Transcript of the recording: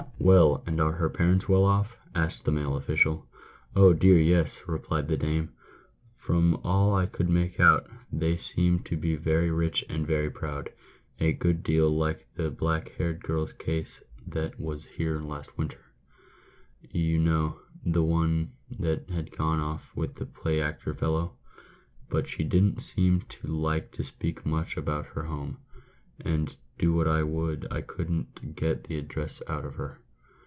" Well, and are her parents well off?" asked the male official. " Oh dear, yes," replied the dame ;" from all I could make out they seem to be very rich and very proud — a good deal like that black haired girl's case that was here last winter — you know, the one that had gone off with the play actor fellow. But she didn't seem to like to speak much about her home ; and do what I would I couldn't get the address out of her.